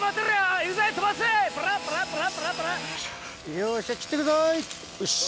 よっしゃ切ってくぞいよし。